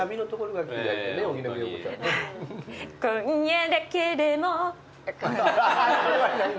「今夜だけでも」